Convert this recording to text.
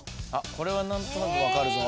・これは何となく分かるぞ。